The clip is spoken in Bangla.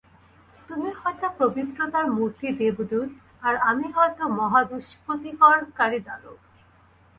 তুমি হয়তো পবিত্রতার মূর্তি দেবদূত, আর আমি হয়তো মহাদুষ্কৃতিকারী দানব।